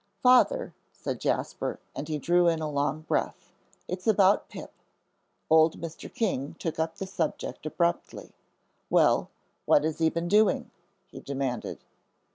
"Father," said Jasper, and he drew a long breath, "it's about Pip." Old Mr. King took up the subject abruptly. "Well, what has he been doing?" he demanded.